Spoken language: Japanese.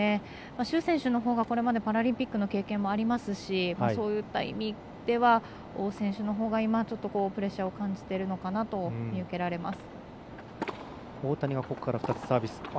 朱選手のほうはこれまでパラリンピックの経験もありますしそういった意味では王選手のほうがちょっとプレッシャーを感じてるのかなと見受けられます。